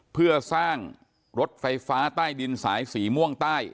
เพื่อสร้างรถไฟฟ้าใต้ดินสายสีม่วงใต้